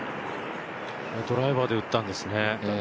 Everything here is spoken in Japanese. あれドライバーで打ったんですね。